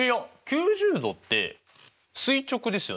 ９０°って垂直ですよね。